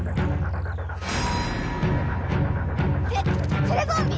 テテレゾンビ！